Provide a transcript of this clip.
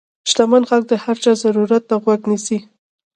شتمن خلک د هر چا ضرورت ته غوږ نیسي.